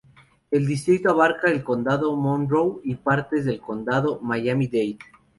El distrito abarca el condado de Monroe y partes del condado de Miami-Dade.